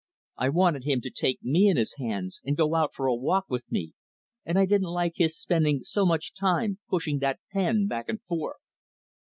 I wanted him to take me in his hands and go out for a walk with me, and I didn't like his spending so much time pushing that pen back and forth.